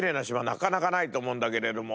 なかなかないと思うんだけれども。